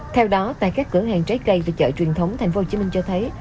theo đó tại các cửa hàng trái cây từ chợ truyền thống tp hcm cho thấy